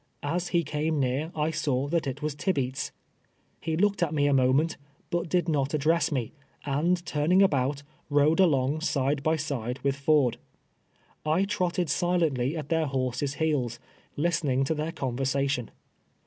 As he came near I saw that it was Tibeats ! He looked at me a moment, but did not address me, and turning about, rode along side by side with Ford. I trotted silently at their horses' heels, listing to their conversation.